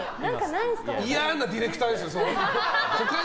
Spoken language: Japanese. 嫌なディレクターですよ。